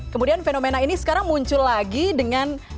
kemudian fenomena ini sekarang muncul lagi dengan